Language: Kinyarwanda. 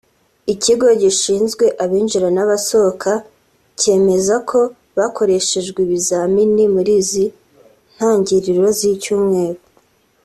Ikigo gishinzwe Abinjira n’Abasohoka cyemeza ko bakoreshejwe ibizamini muri izi ntangiriro z’icyumweru